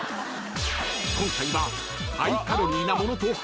［今回は］